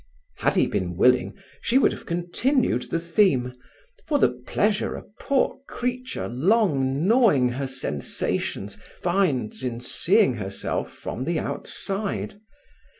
Had he been willing she would have continued the theme, for the pleasure a poor creature long gnawing her sensations finds in seeing herself from the outside.